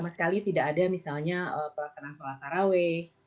sekali tidak ada misalnya perasaan sholat parawe